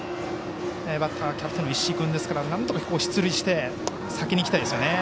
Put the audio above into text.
バッターはキャプテンの石井君ですからなんとか出塁して先にいきたいですよね。